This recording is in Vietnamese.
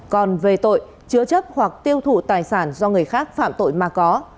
còn về tội chứa chấp hoặc tiêu thụ tài sản do người khác phạm tội mà có